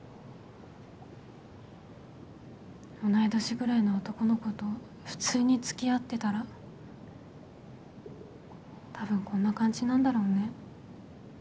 同い年ぐらいの男の子と普通につきあってたらたぶんこんな感じなんだろうね。